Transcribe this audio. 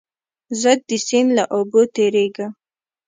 زه د سیند له اوبو تېرېږم.